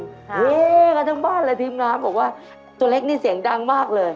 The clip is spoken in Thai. เฮกันทั้งบ้านเลยทีมงานบอกว่าตัวเล็กนี่เสียงดังมากเลย